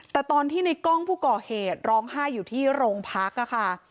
แต่ตอนที่ในกล้องผู้ก่อเหตุร้องไห้อยู่ที่โรงพักค่ะ